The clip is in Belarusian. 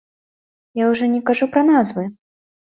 Я ужо не кажу пра назвы.